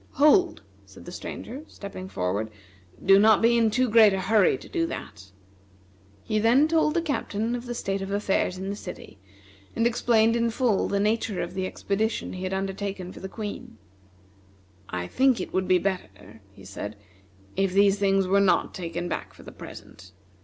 "Hold!" said the Stranger, stepping forward; "do not be in too great a hurry to do that." He then told the Captain of the state of affairs in the city, and explained in full the nature of the expedition he had undertaken for the Queen. "I think it would be better," he said, "if these things were not taken back for the present.